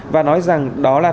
và nói rằng đó là